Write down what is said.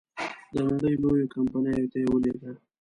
د نړی لویو کمپنیو ته یې ولېږه.